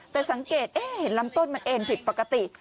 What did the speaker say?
แต่สังเกตเห็นลำต้นมันเอ็นผิดปกติ